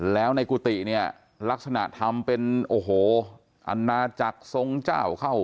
แล้วในกุฏิเนี่ยลักษณะทำเป็นโอ้โหอาณาจักรทรงเจ้าเข้า